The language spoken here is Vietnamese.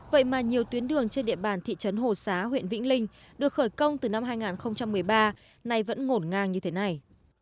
vậy mà nhiều tuyến đường trên địa bàn thị trấn hồ xá huyện vĩnh linh được khởi công từ năm hai nghìn một mươi ba nay vẫn ngổn ngang như thế này